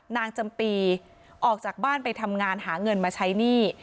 จำปีออกจากบ้านไปทำงานหาเงินมาใช้หนี้